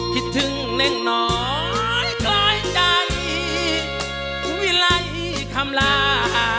คิดถึงหนึ่งน้อยใกล้ใจวิไล่คำลา